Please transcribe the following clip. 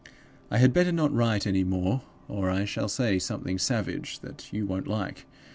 "I had better not write any more, or I shall say something savage that you won't like.